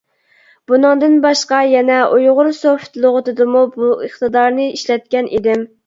بۇنىڭدىن باشقا يەنە ئۇيغۇرسوفت لۇغىتىدىمۇ بۇ ئىقتىدارنى ئىشلەتكەن ئىدىم.